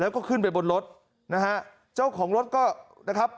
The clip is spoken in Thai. แล้วก็ขึ้นไปบนรถนะฮะเจ้าของรถก็นะครับ